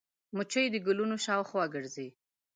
مچمچۍ د ګلونو شاوخوا ګرځي